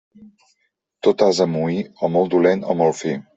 Tot ase moí, o molt dolent o molt fi.